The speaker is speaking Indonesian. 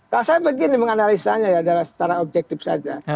kalau saya begini menganalisanya ya secara objektif saja